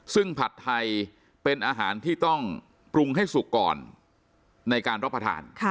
ซึ่งผัดไทยเป็นอาหารที่ต้องปรุงให้สุกก่อนในการรับประทาน